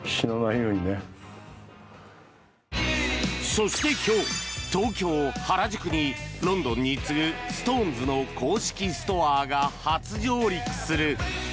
そして今日、東京・原宿にロンドンに次ぐストーンズの公式ストアが初上陸する。